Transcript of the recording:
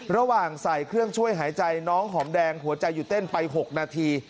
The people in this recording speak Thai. ระหว่างใส่เครื่องช่วยหายใจน้องหอมแดงหัวใจหยุดเต้นไป๖นาที